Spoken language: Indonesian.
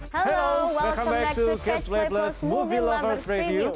halo selamat datang kembali di catch play plus movie lovers review